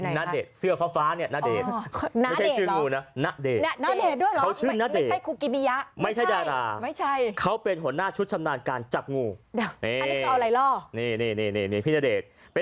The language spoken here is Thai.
หน่อยสือเฟ้านี่ณเดชไม่ใช่ชื่นหนูนะโถ